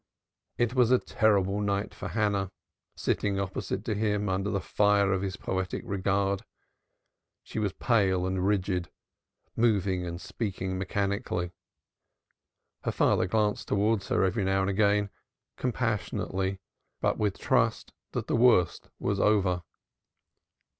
It was a terrible night for Hannah, sitting opposite to him under the fire of his poetic regard. She was pale and rigid, moving and speaking mechanically. Her father glanced towards her every now and again, compassionately, but with trust that the worst was over.